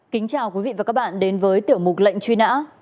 kính chào quý vị và các bạn đến với tiểu mục lệnh truy nã